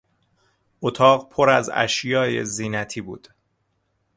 اتاق پر از اشیای زینتی بود.